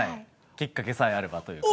きっかけさえあればというか。